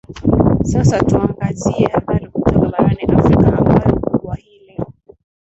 na sasa tuangazie habari kutoka barani afrika ambayo kubwa hii leo